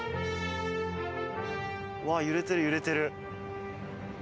揺れてる、揺れてる。